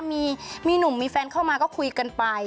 มีหนุ่มมีแฟนเข้ามาก็คุยกันไป